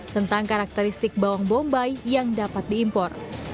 tentang karakteristik bawang bombay yang dapat diimpor